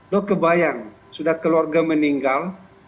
lo kebayang sudah keluarga meninggal